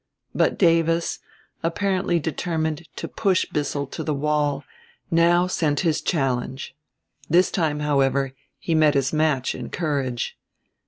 But Davis, apparently determined to push Bissell to the wall, now sent his challenge. This time, however, he met his match, in courage.